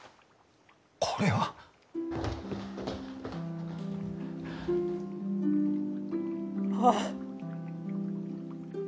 これは。ああ。